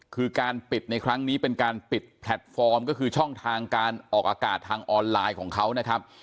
คือการปิดในครั้งนี้เป็นการปิดแพลตฟอร์มก็คือช่องทางการออกอากาศทางออนไลน์ของเขานะครับ